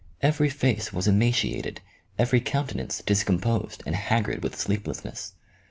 Every face was emaciated, every countenance discom posed, and haggard with sleeplessness.